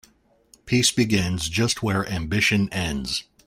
Peace begins just where ambition ends.